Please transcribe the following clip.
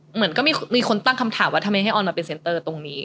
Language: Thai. เหมือนก็มีคนตั้งคำถามว่าทำไมให้ออนมาเป็นเซ็นเตอร์ตรงนี้